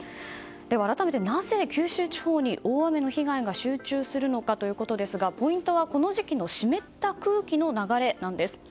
では、改めてなぜ九州地方に大雨の被害が集中するのかですがポイントはこの時期の湿った空気の流れなんです。